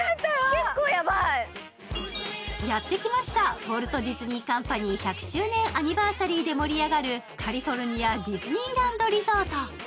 やってきました、ウォルト・ディズニー・カンパニー１００周年アニバーサリーで盛り上がるカリフォルニア・ディズニーランド・リゾート。